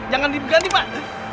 jangan diganti pak